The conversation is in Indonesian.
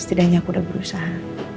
setidaknya aku udah berusaha